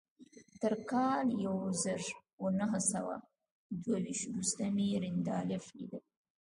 تر کال يو زر و نهه سوه دوه ويشت وروسته مې رينډالف ليده.